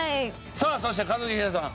さあそして一茂さん。